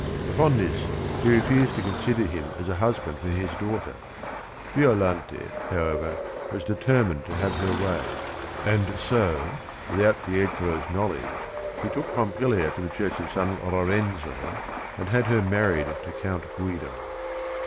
Upon this he refused to consider him as a husband for his daughter. Violante, however, was de termined to have her way, and so, without Pietro's knowledge, she took Pompilia to the church of San Lorenzo and had her married to Count Guido.